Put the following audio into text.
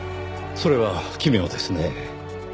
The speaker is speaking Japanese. それは奇妙ですねぇ。